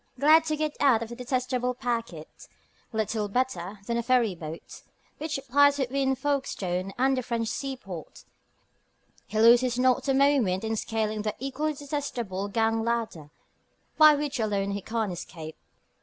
Glad to get out of the detestable packet, little better than a ferry boat, which plies between Folkestone and the French seaport, he loses not a moment in scaling the equally detestable gang ladder by which alone he can escape.